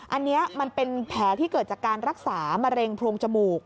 อันนี้มันเป็นแผลที่เกิดจากการรักษามะเร็งโพรงจมูก